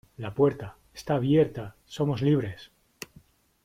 La puerta. ¡ está abierta! ¡ somos libres !